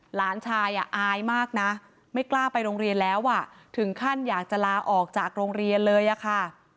หลานชายอายมากนะไม่กล้าไปโรงเรียนแล้วอ่ะถึงขั้นอยากจะลาออกจากโรงเรียนเลยอะค่ะ